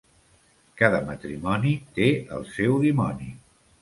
Cada matrimoni té el seu dimoni.